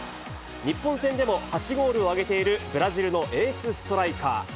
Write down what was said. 日本戦でも８ゴールを挙げている、ブラジルのエースストライカー。